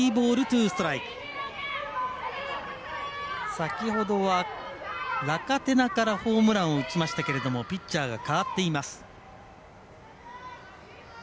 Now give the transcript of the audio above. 先ほどは、ラカテナからホームランを打ちましたがピッチャーが代わっています。